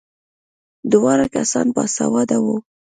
دواړه کسان باسواده وو.